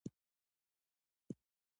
هغه سړی چې سګرټ یې غورځولی و ډېر بې حسه و.